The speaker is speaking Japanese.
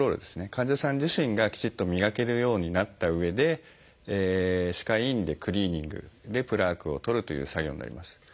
患者さん自身がきちっと磨けるようになったうえで歯科医院でクリーニングでプラークを取るという作業になります。